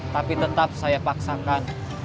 tapi tetap saya paksakan